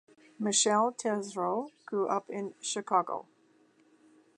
Michelle Tesoro grew up in Chicago.